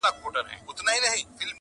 مګر وږی ولس وایې؛ له چارواکو مو ګیله ده-